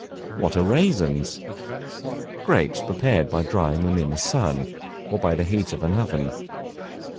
What are Raisins? Grapes prepared by drying them in the sun, or by the heat of an oven.